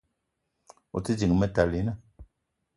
A te ding Metalina